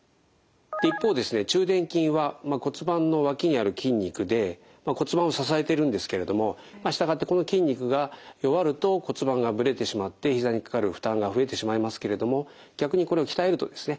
一方ですね中殿筋は骨盤の脇にある筋肉で骨盤を支えているんですけれども従ってこの筋肉が弱ると骨盤がぶれてしまってひざにかかる負担が増えてしまいますけれども逆にこれを鍛えるとですね